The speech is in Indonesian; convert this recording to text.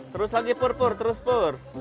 terus lagi pur pur terus pur